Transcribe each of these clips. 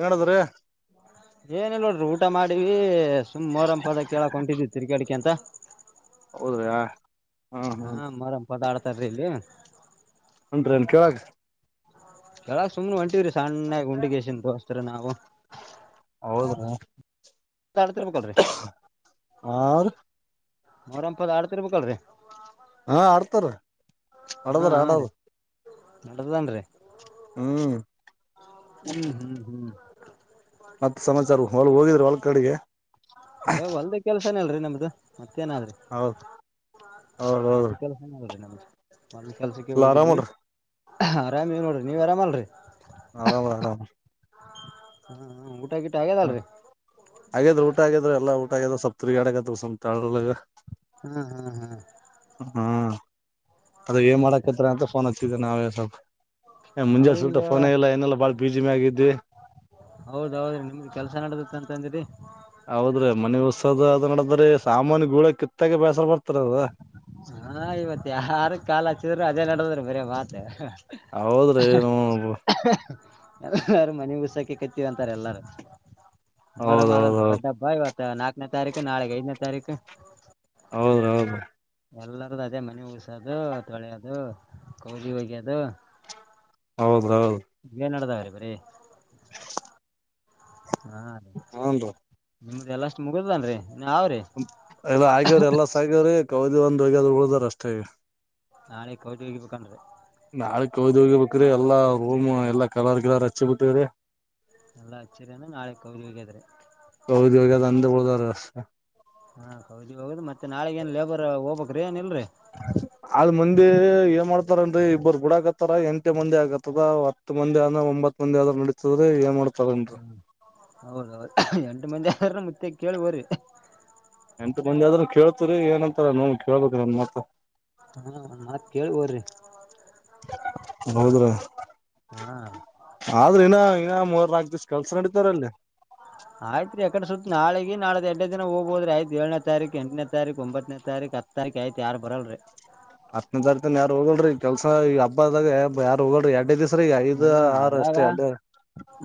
ಹೇಳದ್ರೀ ಏನಿಲ್ಲ ನೋಡ್ರಿ ಊಟ ಮಾಡಿವವಿ ಸುಮ್ ಮೋರಂ ಪದ ಕೇಳಕ್ ಹೊಂಟಿದ್ವಿ ತಿರ್ಗಾಡಿಕೆ ಅಂತ ಹೌದ್ರಯ ಹಾ ಮರಮ ಪದಾರ್ಥ ತರ್ಲಿಲ್ಲ [inaudible] ಹೌದ್ರಿ ನಂಗ್ ಕೆಳಕ್ಕೆ ಕೆಳಗ್ ಸುಮ್ನೆ ಹೊಂಟಿವ್ರೀ ಸಣ್ಣ [unintelligible] ದೋಸ್ತ್ರು ನಾವು ಹೌದ್ರಾ ತಾಡ್ತಿರ್ಬೇಕಲ್ರಿ ಆರ್ ಮರಿ ಅಂತದ್ ಹಾಲ್ ಕರಿಬೇಕ್ ಅಲ್ರಿ ಹಾ ಆಡ್ತಾರ ಆಡದ್ರ ಆಡದು ನಡದದನ್ರಿ ಹ್ಮ್ ಹ್ಮ್ ಹ್ಮ್ ಹ್ಮ್ ಮತ್ತ ಸಮಾಚಾರ ಹೊ ಹೋಗಿದ್ರು ಕಡಿಗೆ [unintelligible] ಹೊಲ್ದಾಗ್ ಕೆಲ್ಸ್ [unintelligible] ಅಲ್ರಿ ನಮ್ದು ಏನಾದ್ರಿ ಹೌದ್ ಹೌದ್ ಹೌದ್ರಿ ಅಲ್ಲಿ ಕೆಲಸಏನೋರಿ ನಮ್ಗೆ [inaudible] ಮಲ್ಲಿ ಕೆಲ್ಸಕ್ಕೆ ಎಲ್ಲ ಹೋಗಿದ್ವಿ ಆರಾಮಲ್ರಿ ಆರಾಮದೀವ್ ನೀವ್ ಆರಾಮಲ್ರಿ ಆರಾಮ್ ಹ್ಮ್ ಹ್ಮ್ ಹ್ಮ ಹಾಗಾದ್ರೆ ಊಟ ಆಗ ಗೆ ಎಲ್ಲ ಊಟ ಆಗ್ಯದೆ ಸೊಪ್ ತಿರ್ಗ್ಯಾಡ ಕತೀವ್ ಸುಮ್ [unintelligible] ಹ್ಮ್ ಹ್ಮ್ ಹ್ಮ್ ಹ್ಮ ಅದ ಏನ್ ಮಾಡಾಕತ್ ಅಂತ ಫೋನ್ ಹತ್ತಿದ ನಾವೇ ಸ್ವಲ್ಪ ಏ ನಾವ್ ಮುಂಜಾನೆ ಸ್ವಲ್ಪ ಹಿಂಗ ಫೋನ ಇಲ್ಲ ಏನೆಲ್ಲ ಬಾಳ ಬಿಝಿನೆ ಆಗಿದ್ವಿ ಹೌದೌದ್ರಿ ನಿಮ್ದು ಕೆಲ್ಸ ನಡಿತೈತ್ ಅಂತಂದ್ರಿ ಮನಿ ತ್ತಗಿ ಬ್ಯಾಸರ ಬರ್ತದ [unintelligible] ಹಾ ಇವತ್ ಯಾರು ಕಾಲ್ [unintelligible] ಬರೀ ಮಾತ ಹೌದ್ರಿನು [unintelligible] ಕತ್ತೀವಿ ಅಂತಾರೆ ಎಲ್ಲಾರು ನರ ಮಾಲ್ ಹೌದೌದೌದು ದೊಡ್ಡ ಹಬ್ಬ ಇವತ್ತು ನಾಲ್ಕನೇ ತಾರೀಕು ನಾಳೆಗೆ ಐದನೇ ತಾರೀಕು ಹೌದ ಹೌದು ಎಲ್ಲಾರ್ದು ಅದೇ ಮನೆ ಉಊಸೋದು ತೊಳೆಯದು ಕೌಲಿ ಹೋಗ್ಯದು ಹೌದು ಹೌದ್ ಎ ಹಾ ರೀ ಹೂನ್ ರೀ ನಿಮ್ದ್ ಎಲ್ಲ ಅಷ್ಟ್ ಮುಗುದನ್ರಿ ಇನ್ನ ಅವ್ರಿ ಎಲ್ಲ ಆಗ್ಯವ್ರಿ ಎಲ್ಲ ಸಗ್ಯವ್ರಿ. ಕವದಿ ಒಂದು ಒಗ್ಗೆದ ಉಳ್ಳ ದ್ದರಿ ಅಷ್ಟೇ ಈಗ ನಾಳೆ [unintelligible] ಹಿಡಿಬೇಕಂದ್ರೆ ನಾಳೆಕ್ ಹೋಳಿ ಹೋಡಿಬೇಕ್ರಿ ಎಲ್ಲಾ ರೂಮ್ ಎಲ್ಲಾ ಕಲರ್ ಗಿಲರ್ ಹಚ್ಚಿ ಬಿಟ್ಟಿವ್ರಿ ಎಲ್ಲಾ ಅಚ್ಚರಿಯನ್ನು ನಾಳೆ [unintelligible] ಹಾಗಾದ್ರೆ ಅಂದು ಹೋಗ್ಯಾರು [inaudible] ಹಾ ಹೌದಿ ಹೌದು ಮತ್ತೆ ನಾಳೆಗ್ ಏನ್ ಲೇಬರ್ ಹೋಬೋಕ್ರಿ ಏನ್ ಇಲ್ರಿ ಆದದ್ ಮಂದಿ ಏನ್ ಮಾಡ್ತಾರನ್ರಿ ಇಬ್ಬರ್ ಗುಡಕತ್ತಾರ ಎಂಟೇ ಮಂದಿ ಆಕತ್ತದ ಹತ್ ಮಂದಿ ಆದನ ಒಂಬತ್ ಮಂದಿ ಆದ್ರ ನಡತದ್ರಿ ಏನ್ ಮಾಡ್ತಾರನ್ರಿ ಕೇಳುವರಿ ಎಂತ ಮಂದಿ ಆದ್ರೂ ಕೇಳ್ತವ್ರಿ ಏನಂತಾರ ನೋಡ್ಬ್ ಕೇಳ್ಬೇಕ್ರೀ [unintelligible] ಹೂ ಮತ್ ಕೇಳ್ದೆ ರೀ [unintelligible] ಆದ್ರೆ ಇನ್ನ ಇನ್ನ ಆಗತ್ ಕೆಲಸ ನಡೀತಾರಲ್ಲಿ ಆಯ್ತ್ ಎಕಡೆ ಸುತ್ತ ನಾಳ ನಾಳೆ ಎಡ್ ದ ಹೋದ್ರ ಐ್ ಏನೇ ತಾರೀಕ್ ಎಂಟನೇ ತಾರೀು ಒಂಬನ ತಾರೀಕ್ ಹ ತಾರೀಕು ಐತ ಯಾರ ಬರಲ್ರರಿ ಹತ್ತನ ತಾರೀತನ್ ಯಾರು ಹೋಗೋಲ್ರಿಿ ಕೆಲ್ಸಾ ಈ ಹಬ್ಬದಾಗ ಯಾರ್ ಹೋಗಲ್ರಿ ಎರಡೇ ದಿವ್ ಹಾ ಅದ್ರಾಗ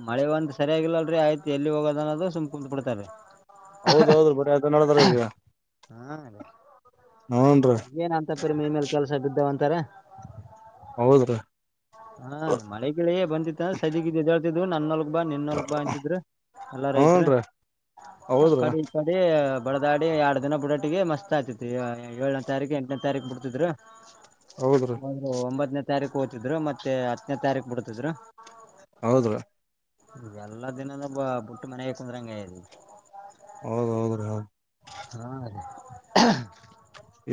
ಮಳೆ ಒಂದು ಸರಿಯಾಗಿಲ್ಲ ಆಯ್ತ ಎಲ್ಲಿ ಹೋಗದ ಅನ್ನೋದು ಸುಮ್ ಕುತ್ ಬಿಡ್ತಾರೆ ಹೌದ್ದ್ರಿ ಬರಿ ಆಯ್ತ ನಡದಾರ ಈಗ ಹಾ ರೀ ಹ್ನ್ರಿೀ ತ್ತರ ಹೌದ್ರೀ ಹಾ ಮಳೆಗಳೇ ಬಂದಿತ್ತು ಸದಗಿದ್ದ ಜ ನನ್ನ ಬಾ ನಿನ್ನೊಲ್ ಬಾ ಅಂತಿದ್ರ ಎಲ್ಲ ರೈತ್ ಹೂನ್ ರೀ ಹೌದ್ರಿ ಕಡೆ ಕಡೆ [inaudible] ಬಡದಾಡಿ ಎರಡ್ ದಿನ ಬ ಬಿುಡೋಟ್ಟಿಗೆ ಮಸ್ತ್ ಆಯತಿ ಏಳನೇ ತಾರೀಕು ಎಂಟನೇ ತಾರೀಕು ಬಿಡ್ತಿದ್ರು ಹೌದ್ರಿ ಹ ಒಂಬತ್ತನೇ ತಾರೀಕು ಕೋತಿದ್ ಮತ್ತೆ ಮತ್ತೆ ಹತ್ತನೇ ತಾರೀಕು ಬಿಡ್ತಿದ್ರು ಹೌದ್ರಾ ಇ ಎಲ್ಲಾ ದಿನನ ಬ ಬುಟ್ಟ ಮನೆಗೆ ಕುಂದ್ರಂಗದೆ ಹೌದ್ದ್ರಾ ಹಾ ರೀ [unintelligible]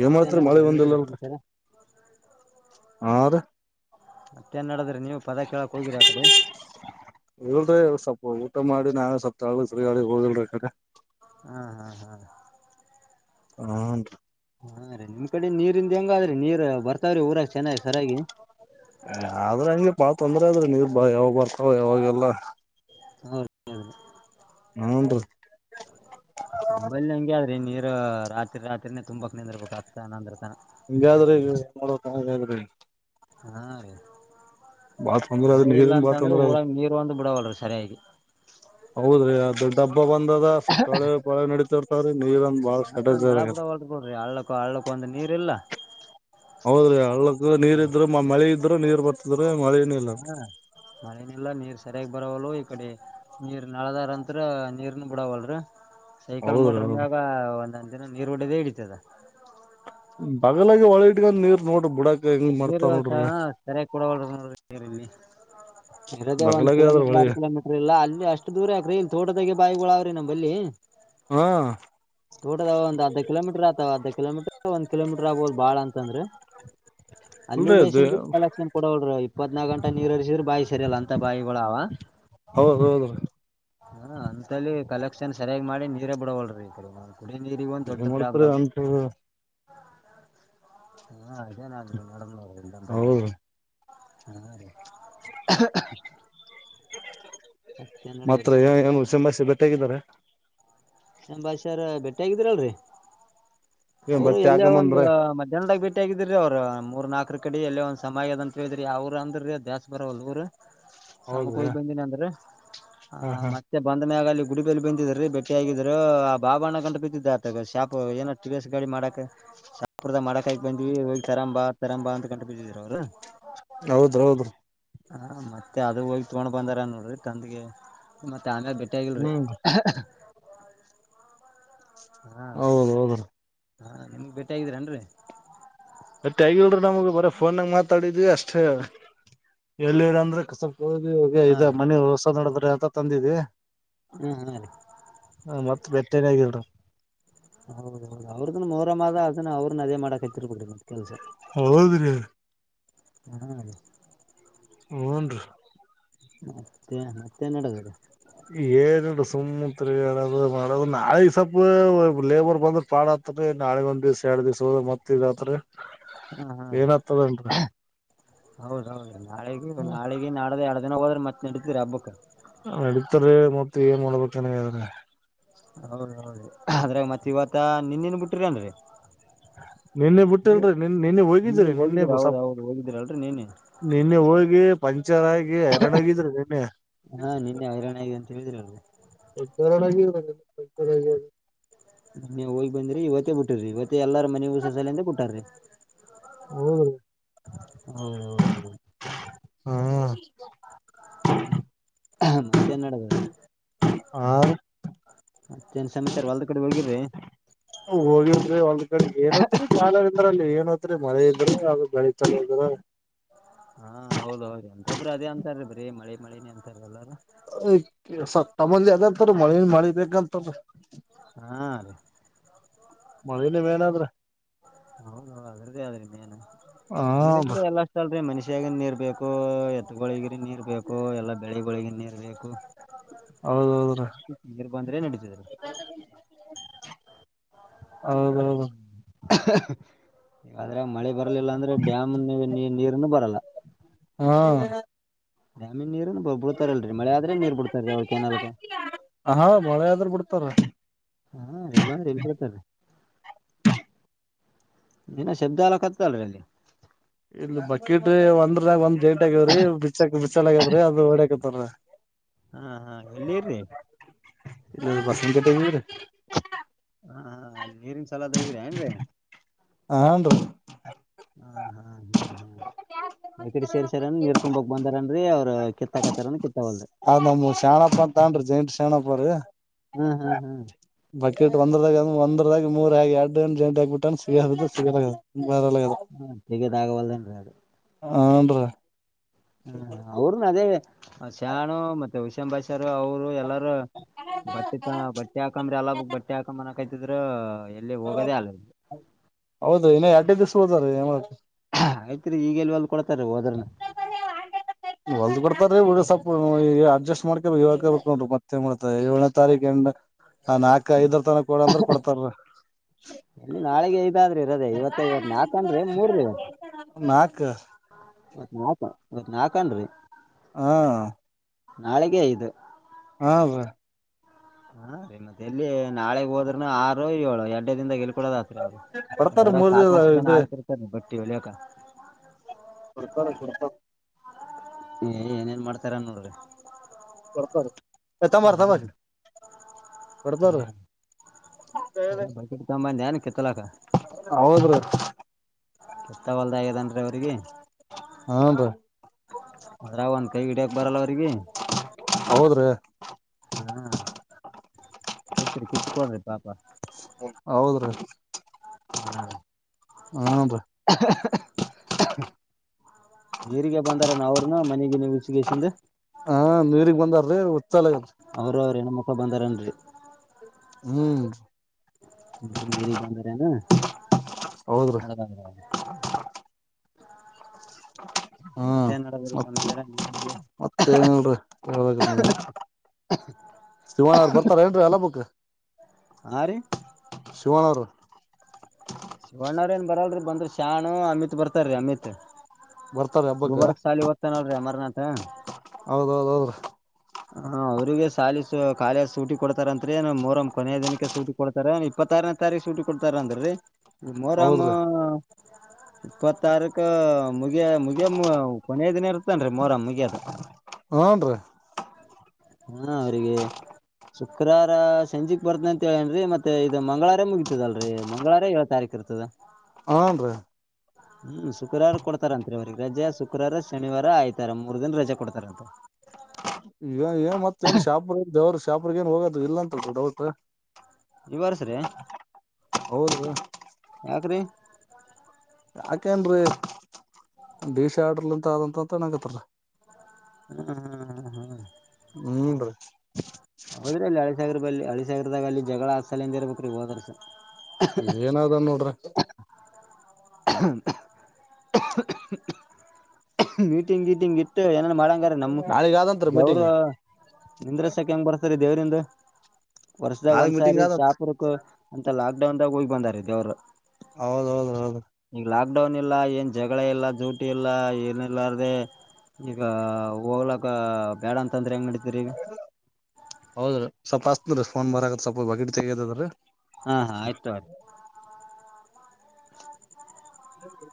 ಏ ಮತ್ತೇನ್ ಮಾಡತ್ರ ಮಳೆ ನಡದ್ರಿ ನಿಮ್ ಕಡೆ ಬಂದಿಲ್ಲಲ್ರ ಸಮಾಚಾರ. ಮತ್ತೆನ್ನಡದ್ರ [inaudible] ನೀವು ಪದ ಕೇಳಕ್ ಹೋಗಿರಿ ಆ ಕಡೆ ಊ ಮಾಡ ನಾವೇ ಸಪ್ತಗಾಗೆ ಹೋಗಿಲ್ [inaudible] ಹ್ಮ್ ಹ್ಮ್ ಹ್ಮ್ ಹನ್ ರಿ ಹಾ ರೀ ನಿಮ್ ಕಡೆ ನೀರಿಂದ ಹೆಂಗಾದ್ರಿ ನೀರ್ ಬರ್ತಾವ್ರಿ ಊರಾಕ ಚೆನ್ನಾಗಿ ಸರಿಗಿ ಆದ್ರೆ ಹಂಗೆ ಪಾಳ ತೊಂದ್ರೆ ಆದದ್ರೆ ನೀರ್ ಬಾ ಯಾವಾಗ ಬರ್ತಾವ ಯಾವಾಗೆಲ್ಲ ಅವ ಹನ್ ರೀ ನಂಬಲಿ ಹೆಂಗ್ರಿ ನೀರು ರಾತ್ರಿ ರಾತ್ರಿನ ತುಂಬಾಕ್ನಂದ ಇರ್ಬೇಕು ಆಗ್ತಾ ಅಂದ್ರತನ ಹಂಗಾದ್ರಿ ಈಗ ಮಾಡೋ ಚನ್ನಾದ್ರಿ ಹಾ ರೀ ಬಾ ತೊಂದ್ರೆ ಅದ ಮಳೆ ಇಲ್ಲ ನೀರಿನ್ ಅಂತ ಬಾ ಅಂದ್ರೆ ತೊಂದ್ರೆ ಅದು ಊರಾಗ ನೀರ್ ಒಂದು ಬಿಡವಲ್ರಿ ಸರಿಯಾಗಿ ಹೌದ್ರಿ ಅ ದೊಡ್ಡ ಹಬ್ಬ ಬಂದದ ಸ್ವಲ್ಪ ಪಾಳೆ ನಡತದ ಸರಿ [unintelligible] ಹ ನಳ ಬಿಡವಲ್ಲ ನೂಡ್ರಿ ಹಳ್ಳಕ್ಕ ಹಳ್ಳ್ಳಕ್ಕೊಂದಂದು ನೀರ್ಲ್ಲಾ ಹೌದ್ರಿ ಹಳ್ಳಕ್ಕ ನೀರ್ ಇದ್ರು ಮಳೆ ಇದ ನೀರ್ ಬರ್ತ ಮಳೆ ನ ಇಲ್ಲ ಸರಗ್ ಬರವಲ್ ಈ ಕಡೆ ನೀರ್ ನಳದಾರ ಅಂತ್ರ ನೀರನ ಬಿಡವಲ್ರ ಸೈಕಲ್ ಹೌದ್ರಿ ಮೋಟರ್ ಹೌದ್ರಿ ಮಾಗ ಒಂದ ನ ನೀರ್ವಡದೇ ಇಡಿತದ ಬಗಲ ಒಳಿಗ ನೀರ್ ನೋಡ್ರಿ ಬಿಡ ನೀರುಸ ಸರಿಯಾಗಿ ಕೊಡಲ್ ನೋಡ ನೀರಿಲ್ಲಿ ಇರದೇ ಒಂದ್ ಬಗಲಾಗ ಆದ್ರ ಕಿಲೋಮೀಟರ್ ಹೊಳಿ ಎರಡ ಕಿಲೋಮೀಟರ್ ಇಲ್ಲ ಅಲ್ಲಿ ಅಷ್ಟು ದೂರ ಆಕರಿ ಇ ತೋಟದೆ ಬಾಯಿಗಳು ಅವ್ರಿ ನಮ್ಲ್ಲಿ ಹಾ ತೋಟದಾವ ಒಂದು ಅರ್ಧಕ್ಕೆ ಕಿಲೋಮೀಟರ್ ಆತಾವ ಅರ್ಧ ಕಿಲೋಮೀಟರ್ ಒಂದ ಕಿಲೋಮೀಟರ್ ಆಗ್ಬಹದು ಬಾಳ ಅಂತಂದ್ರೆ ಅಲ್ಲಿ ಅಲ್ರಿ ಅದು ದೇಶಿಂದ ಕಲೆಕ್ಷನ್ ಕೊಡೋಳ್ರ ಹದ್ನಾಕ ಗಟ ನೀರುರಿಸಿದ್ ಬಾಯಿ ಸರಿಲ್ಲ ಅಂತ ಬಾಯಿಗಳಾವ ಹೌದ ಹೌದ್ರಿ ಅಂತ್ಯ ಕಲೆಟ ಎಕ್ಷನ್ ಸರಿಯಾಗಿ ಮಾಡಿ ನೀರೇ ಬಿಡವಲ್ ರರಿ ಕುಡ ನೀರಿಗ ಒಂದು ದೊಡ್ಡ ಏನ್ ಮಾಡ್ತರಿ ಪ್ರಾಬ್ಲಮ ಅಂತ ಹಾ ಅದ ನ ಬಲ್ಲಂದ್ರ ಹೌದ್ರಿ ಹ್ಮ ಮಾತ್ರ ಏನುಂಬಸಿ ಬೆಟ್ಟಾಗಿದ್ದಾರೆ [unintelligible] ಸಂಭಾಷರ ಬೆಟ್ಟೆ ಆಗಿದ್ರಲ್ರರಿ ಏನ್ ಅವರು ಬಟ್ಟೆ ಎಲ್ಲ ಒಂದು ಹಾಕಂಬಂದ್ರ ಮಧ್ಯಾಹ್ನದಾಗ ಭೇಟಿಯಗಿದ್ರು ಇದ್ರೀ ಅವ್ರು ಮೂರ್ ನಾಲ್ಕರ ಕಡಿ ಎಲ್ಲ ಒಂದ ಸಮ ಯಾಗದ ಅಂತ ಹೇಳಿದ್ರಿ ಅವರು ಅಂದ್ರೀ ದೇಸ್ ಬರವಲ್ ಊರು ಸಮ್ಮ ಕ ಹೌದ್ರಿ ಹೋಗಿ ಬಂದನಿ ಅಂದ್ರು ಹಾ ಹ ಹಾ ಮತ್ತೆ ಬಂದ ಮ್ಯಾಗಲಿ ಗುಡಿ ಬಲ್ಲಿ ಬಂದಿದ್ದರೀ ಬೆ ಆಗಿದ್ರು ಆ ಬಾಬ ಅಣ್ಣ ಗಂಟಿ ಬಿದ್ದದ ಏನ ಟಿ ವಿ ಯ ಎಸ್ ಗಾಡಿ ಮಾಡಕ್ ಶಾಪುರ್ದ ಮಾಡಕಾಗಿ ಬಂದ್ವಿ ಹೋಗಿ ತರಂಬಾ ತರಂಬಾ ಅಂತ ಕಂಡು ಬಿದ್ದಿದ್ರು ಅವ್ರು ಹೌದ ಹೌದ್ರ ಹ ಮತ್ತೆ ಅದು ಹೋಗಿ ತಗೊಂಡ್ ಬಂದಾರ ನೋಡ್ರಿ ತಂದಗೆ ಮ ಆಮೇಲೆ ಬೆಟ್ಟಿ ಆಗಿಲ್ರಿ ಹ್ಮ್ ಹಾ ಹೌದೌದ್ರೀ ಹಾ ನಿಮಗ್ ಬೇಟೆ ಆಗಿದ್ದೀರನ್ರಿ ಅತ್ತ ಆಗಿಲ್ರಿೀ ನಮಗೆ ಬರ ಫೋನ್ಾಗ ಮಾತಾಡಿದ್ವಿ ಅಷ್ಟೇ ಎಲ್ಲಿರ ಅಂದ್ರೆ ಹೋಗಿ ಹೋಗ ಇ ಹಾ ಮನಿ ಹೊಸ ನಡದ್ರೆ ಅಂತ ತಂದಿದ್ದಿ ರೀ ಹಾ ಹಾ ರೀ ಹ ಮತ್ತ ಬೆಟ್ಟನೆೇ ಆಗದ್ರಿ ಹೌದೌದು ಅವ್ರದನ್ ಮೋರವ ಅದನ್ನ ಅವ್ರನ್ನ ಅದೇ ಮಾಡಕ್ ಹತ್ತಿರ್ಬ ಬಿಡ ಕೆಲ್ಸ ಹೌದ್ರಿ ನನ [unintelligible] ಹ್ನ್ೀ ಮತ್ತೆ ಮತ್ತೆ ನಡದಾರೆ ಏನೀ ಸುಮತ್ೀದ ಮಾಡ ನಾಳೆ ಸ್ವಲ್ ಲೇಬರ್ ಬಂದ್ರ ಪಾಡತ್ರಿ ನಾಳೆ ಒಂದ್ ದಿವ್ ಎರಡ್ ದಿವ್ ಹೋದ ಮತ್ ಇದತ್ರಿ ಹಾ ಹಾ ಏನತದನ್ರ ಹೌದೌದು ನಾಳೆಗೆ ನಾಳಿಗೆ ನಾಡ್ದ ಜನ ಹೋದ್ರೆ ಮತ್ ನಡತೀರಿ ಹಬ್ಬಕ್ ಹ ನಡಿತಾರೆ ಮತ್ತ ಏನ್ ಮಾಡೋಡ್ಬೇಕನ ಅ್ರ ಹೌದ ಹೌದು ಅದ್ರಾಗ ಮತ್ತೆ ಇವತ್ತ ನೀನ್ೇನ್ ಬಿಟ್ಟಿರಿನ್ರರಿ ನಿನ್ನೆ ಬಿಟ್ಟಿಲ್ರಿ ನಿನ್ ನಿನ್ನೆ ಹೋಗಿದ್ದಿ್ರರಿ ನಿನ್ನೆ ಹೋಗಿದ್ರ ಹೌದ ಹೌದು ಹೋಗಿದ್ರಲ್ರರಿ ನಿನ್ನೆ ನಿನ್ನೆ ಹೋಗಿ ಚಾರ ಹರಡಾಗಿದ್ರ ನಿನ್ನೇ ಹಾ ನಿನ್ನೆ ಹೈರಾಣ ಆಗಿ ಅಂತ ಹೇಳಿದ್ರಲ್ರಿ [unintelligible] ತ [unintelligible] ನೀ ಹೋಗಿ ಬಂದ್ರಿ ಇವತ್ತೆ ಬಿಟ್ಟ್ರಿತ್ತ ಎಲ್ಲಾರ ಮನೆಗೂ ಸಸ ಸಲಿಂದ ಕೊಟ್ಟ್ರೀ ಹೌದ್ರಿ ಹೌದ ಹೌದುಮ ಹಾ ಮತ್ತೆ ನಡದದು ಹ ಮತ್ತೇನ್ ಸಮಸ್ಯಾರ ಒಲ್ದ ಕಡೆ ಹೊಗಿರ್ರಿ ಹ ಹೋಗಿರ ಒಂದ ಏನ [unintelligible] ್ರಲ್ಲಿ ಏನತ್ರಿ ಮಳೆ ಇದ್ರ ಹಾಗ ಬೆಳಿಿತಲ ಇದ್ರ ಹಾ ಹೌದ ಹೌದು ಅಂತೊಬ್ರು ಅದೇ ಅಂತಾರ ಬ್ರಿ ಮಳೆ ಮಳೇ ನೀ ಅಂತಾರಲ್ಲಾರ ಸತ ಮೆದ [unintelligible] ಮಳೇನ್ ಮಾಡಿ ಬೇಕಂತದ ಹಾೀ ಮಳೇಲಿವೇನಾದ್ರ ಹೌದೌ ಅದ್ರದ್ದೇ ಆದ್ರಿಂದೇಏನು ಹ ನೀರಿದ್ರೆ ಎಲ್ಲ ಅಷ್ಟ ಅಲ್ರಿೀ ಮನಷ ಷ್ಯಗನ್ ನೀರ್ ಬೇಕು ಎತ್ಗಳಿಗರಿ ನೀರ್ ಬೇಕು ಎಲ್ಲಾ ಬೆಳಿಗಳಿಗನ್ ನೀರ್ ಬೇಕು ಹೌದ ಹೌದ್ರಿ ನೀರ್ ಬಂದ್ರೆ ನಡೀತದ್ರಿ ಹೌ [unintelligible] ಯಾದ್ರೆ ಮಳೆ ಬರಲಿಲ್ಲ ಅಂದ್ರೆ ಡ್ಯಾಮ್ ನೀ ನೀರ್ನು ಬರಲ್ಲ ಹಾ ಡೇಮ್ ನೀರ ಬಿಡ್ತಾರಲ್ರರಿ ಮಳೆ ಆದ್ರೆ ನೀರ್ ಬಿಡ್ತಾರೀ ಅವ್ರ ಕೆನಾಲಕ್ ಹ ಮಳೆ ಆದ್ರ ಬಿಡ್ತಾರ ಹ ಇಲ್ಲ ಅಂದ್ರ ಇಲ್ ಬಿಡ್ತಾರೀ ಏನೂ ಶಬ್ದಾವಾ ಕತಲ್ಲ ರಲಿ ಇಲ್ಲಿ ಬಕೆಟ್ ಒಂದ್ರಾಗ ಒಂದ ಗೇಂಟಗವ್ರಿ ಬಿಚ್ಚಕ್ ಬಿಚ್ಚಗದ್ರ ಅದು ಓಡ [unintelligible] ಹಾ ಹಾ ಎಲ್ಲಿರಿ ಇ ಬಸಂತ ಟೇಮೂರ ಹಾ ಹಾ ಅಲ್ಲಿ ನೀರಿನ್ ಸಲದ ಹಗ್ರ ಏನ್ರೀ ಹಾ [unintelligible] ಹಾ ಹಾ್ ಹಾ್ ಹ್ಮ್ ಮೈ ಕಡೆ ಸೇರ್ಸಾರನ್ ನೀರ್ ತುಂಬಕ್ ಬಂದಾರನ್ರರಿ ಅವ್ರ ಕಿತ್ತಾಕತ್ತಾರನ್ ಕಿತ್ತಾವಲ್ ಬೆಯ [unintelligible] ಹ್ಮ್ ಹ್ಮ್ ಹ್ಮ್ ಬಕೆಟ್ ಒಂದದಾಗ ಒಂದದಾಗ ಮೂರಿ ಎರಡ್ ಜಂಟಿ ಆಗ್ಬಿಟ್ಟ ಸಿಗದಾಗೆಲ್ಲ ಸಿಗದಾಗೆಲ್ಲ ಹ ತೆಗದ ಆಗವಲ್ಲ ಎಡು ಹನ್ರಾ ಹ ಅವ್ರನು ಅದೇ ಶಾಣು ಮತ್ತೆ ಹುಷಂ ಬಷರು ಅವರು ಎಲ್ಲಾರ ಬಟ್ಟೆ ತ ಬಟ್ಟೆ ಹಾಕಂಬ್ರಿ ಎಲ್ಲ ಬಕ್ ಬಟ್ಟೆ ಹಾಕನ ಕಟ್ಟಿದ್ರು [unintelligible] ಹೌದು ಇನ್ನು ಎರಡು ದಿಸ [unintelligible] ಆಯ್ತ್ರಿೀ ಈಗೆಲ್ವಲ್ ಕೊಡ್ತಾರ ಹೋದ್ರನ್ನ ಒಲ್ದ್ ಕೊಡ್ತಾರ್ರೀ ಸ್ವಪ ಅಡ್ಜಸ್ಟ್ ಮಾಡ್ಕ ಇ ನೋಡ್ರಿ ಮತ್ತೇ ಮಾಡ್ತ ಏನ ತಾರೀಕ ಎಂಡ್ ನಾಕಕ್ ಐದ [unintelligible] ಎಲ್ಲಿ ನಾಳೆಗೆ ಐದಾದ್ರರು ಇರದೆೇ ಇವತ್ತ ಇವತ್ತು ನಾಲ್ಕನ್ ಮೂರ ಇವತ್ತು ನಾಲ್ಕು ಇವತ್ ನಾಕ ಇವತ್ ನಾಲ್ಕನ್ ರೀ ಹಾ ನಾಳೆಗೆ ಐದು ಹಾ ರಿ ಹಾ ಮತ್ತೆ ಎಲ್ಲಿ ನಾಳಗ್ ಹೋದ್ರೂ ಆರು ಏಳು ಎಡ್ಡ ದಿಂದ ಕೊಡೋದತ್ರಿ ಅವ್ರು ಕೊಡ್ತಾರ ಅದ್ರಾಗ ಮೂರ್ ದಿನ ಸಾಕಷ್ಟು ಜನ ಇದು ಆಯತಿರ್ತಾರೆ ಬಟ್ ಎಳೆಯಕ್ಕ ಹಡ್ಕ ಹಡ್ಕ [inaudible] ಏ ಏನೇನ್ ಮಾಡ್ತಾರ ನೋಡ್ರಿ ಬರ್ತಾರ ಎತ್ತ ಹಾ ಮರ್ತ ಮ ಹಾ ಬರ್ತಾರೀ ಅದೇ ಬಕೆಟ್ ತಗೊಂಬಂದ್ಯಾನ್ ಕಿತ್ತಲಕ ಹೌದ್ರೀ ಕತ ಬಲದ ಆದ ಅ ವರಿಗೆ ಹನ್ ರೀ ಅದ್ರಾವಂತ ಕೈ ಗಿಡಿಯಕ ಬರಲ್ಲ ಅವ್ರರಿಗೆ ಹೌದ್ರಿ ಹ್ಮ್ ಕಿತ್ತರಿ ಕಿತ್ತಕಳ್ರಿ ಪಾಪ ಹೌದ್ರೀ ಹಾ [inaudible] ಹೀರಿಗೆ ಬಂದಾರ ನ ಅವರುನು ಮನೆಗೆ ನೀವು ಈ ಸಿಂಧ್ ಹಾ ನೀರಿಗೆಗ್ ಬಂದಾರ್ರೀ ಉಚ್ಚಾಲ ಅವರು ಅವ್ರ ಏನ್ ಮ ಒಬಂದರನ್ರಿ ಹ್ಮ್ ಬ ಮೇರಿ ಬಂದ ರದ ಹೌದ್ರಿ ಹೌದೌ [inaudible] ಹ [inaudible] ಹ್ಮ ಮ ನೀರಿಗೆ ಮತ್ತ ಏನನ್ರಿ ಹೇಳ್ಬೇಕ ನೀ ಶಿವನ್ ಅವ್ರ ಬರ್ತಾರ ಏನ್ರೀ ಎಲ್ಲ ಬಕ್ ಹಾ ರೀ ಶಿವನರು ಬಣ್ಣ್ರ ಏನ್ ಬರಲ್ರಿ ಬಂದ್ರಿ ಶ್ಯಾಣ್ ಅಮಿತ್ ಬರ್ತಾರೀ ಅಮಿತ್ ಬರ್ತಾರ ಹಬ್ಬಕ್ ಒಬರ್ಕ್ ಶಾಲಿ ಹೊಗನಲ್ರೀ ಅಮರ್ ನಾಥ್ ಬ [inaudible] ಹಾ ಅವ್ರಿಗೆ ಶಾಲಿ ಕಾಲಜ್ ಸೂಟಿ ಕೊಡ್ತಾರ ಅಂತ ರಿ ಮೊಹರ್ ಕೊನೆಯ ದಿನಕ್ಕೆ ಸೂಟಿ ಕೊಡ್ತಾರೆ ಇಪ್ಪತ್ತಾರನೇ ತಾರೀಕು ಸೂಟಿ ಕೊ ಕೊಡ್ತಾರ ಅಂದ್ರ್ರೀ ಮೋರಾಮ ಹೌದ್ರಿ ಇಪ್ಪತ್ತಾರೀಕು ಮುಗಿಯ ಮುಗಿಯ ಕೊನೆಯ ದಿನ ಇರ್ ಇನ್ರಿ ಮೋರ ಮುಗಿಯದ ಹನ್ರಿ ಹಾ ಅವಿಗೆ ಶುಕ್ರವಾರ ಸಂಜೆಕ್ ಬರ್ತನ ಅಂತ ಹೇಳೇನ್ ಮತ್ತೆ ಇದು ಮಂಗಳವಾರ ಮುಗತದಲ್ರರಿ ಮಂಗಳವಾರ ಏಳ ತಾರೀಕ ಇರ್ತದ ಹನ್ ರೀ ಹ್ಮ್ ಶುಕ್ರವಾರ ಕೊಡ್ತಾರಂತ್ರಿ ಅವ್ರಿಗೆ ರಜೆ ಶುಕ್ರವಾರ ಶನಿವಾರ ಆಯ್ತಾರ ಮೂರ್ ದಿನ ರಜೆ ಕೊಡ್ತಾರಂತ ಈ ಏನ್ ಮತ್ತ ಏನ್ ಶಾಪ್ರ ದೇವ್ರರು ಶಾಪ್ರ ಏನ್ ಹೋಗದ ಇಲ್ಲಂತ ದಡ ತ್ ಇವ ವರ್ಸ್ ರಿ ಹೌದು ಯಾಕ್ರೀ. ಯಾಕೇನ್ರೀ ಡಿಶ್ ಆರ್ಡರ್ಂತ ಆದಂತ ಅಂತಣಗತ್ತ ಹ್ಮ್ ಹ್ಮ್ ಹ್ಮ ಹ್ಮ್- ಹ್ಮ್ ನ ರೀ ಹಳ ಸಾಗರ ಬಲ್ಲಿ ಹಳಿ ಸಾಗರದಾಗ ಅಲ್ಲಿ ಜಗಳ ಹ ಸಲಿಂದ ಇರ್ಬೇಕರೀ ಹೋದರ್ ಏನ ಅದಾನ ನೋಡ್ರಿ [inaudible] ಹ್ಮ ಮಿಟಿಂಗ ಗಿಟಿಂಗ ಗಿ ಏನನ್ ಮಾಡಂಗಾರ ನಮ್ ನಾಳಿಗ್ ಆದಂತ್ರಿ ಗವರು ಮೀಟಿಂಗ್ ನಿಂದ್ರಿಸಕ್ಕೆ ಹೆಂಗ್ ಬರ್ತಾರೆ. ದೇವ್ರಂದ ವರ್ಷದಾಗ ನಾಳಿಗ್ ಮೀಟಿಂಗ್ ಒಂದ್ಸಾರಿ ಆದತ್ ಶಾಪುರ್ಕ ಅಂತಲ್ಲ ಆ ದಡ ಅಂದಾಗ ಹೋಗಿ ಬಂದ ಅವ್ರು ಹೌದೌದ ಹೌದು. ಈಗ ಲಾಕ್ ಡೌನ್ ಇಲ್ಲ ಏನ್ ಜಗಳ ಇಲ್ಲ ಜೂಟಿ ಇಲ್ಲ ಏನಿಲ್ಲಾರದೆ ಈಗ ಹೋಗ್ಲಕ್ಕ ಬೇಡಂತಂದ್ರ ಹೆಂಗ ನಡೀತದ ಹೌದ್ರ ಸ್ವಪ ಹಚ್ಚತನ ರೀ ಫೋನ್ ಬರಕತತಿ ಕತ್ ಸ್ವಲ್ಪ ಬಕೇಟ್ ತಗದರಿ ಹಾ ಹಾ ಆಯ್ತು ಆಯ್ತು ಹ್ಮ